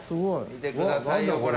見てくださいよこれ。